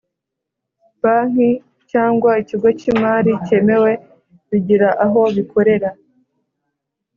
Banki cyangwa ikigo cy’imari cyemewe bigira aho bikorera